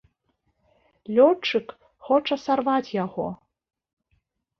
Лётчык хоча сарваць яго.